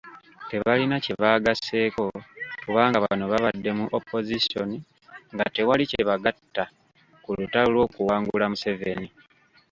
Tebalina kye baagasseeko kubanga bano babadde mu Opozisoni nga tewali kye bagatta ku lutalo lw'okuwangula Museveni.